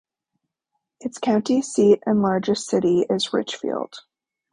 Its county seat and largest city is Richfield.